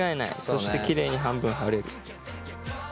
そしてきれいに半分貼れる。